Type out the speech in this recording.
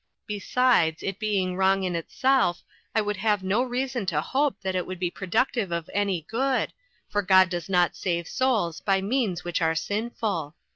Besides, it being wrong in itself, I would have no reason to hope that it would be productive of any good ^ for God does not save souls by means which are sinful.